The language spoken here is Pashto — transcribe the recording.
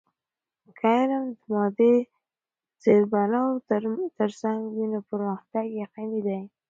که علم د مادی زیربناوو ترڅنګ وي، نو پرمختګ یقینی دی.